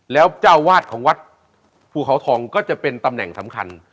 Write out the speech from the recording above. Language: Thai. แล้วเจ้าวาดของวัดภูเขาทองก็จะเป็นตำแหน่งสำคัญ